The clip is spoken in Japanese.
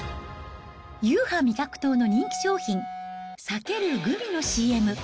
ＵＨＡ味覚糖の人気商品、さけるグミのＣＭ。